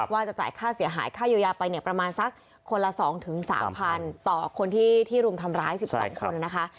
ก็จะจ่ายค่าเสียหายค่ายูยาไปเนี่ยประมาณสักคนละสองถึงสามพันต่อคนที่ที่รุ่มทำร้ายสิบสันคนนะคะ